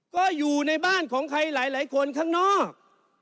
ก็อยู่ในบ้านของใครหลายคนข้างนอก